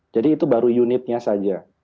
jadi itu baru unitnya saja